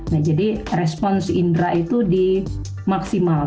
nah jadi respons indra itu di maksimal